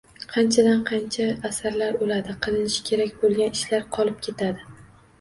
Qanchadan-qancha asarlar o‘ladi, qilinishi kerak bo‘lgan ishlar qolib ketadi.